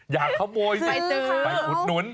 อยากขโมยสิไปอุดหนุน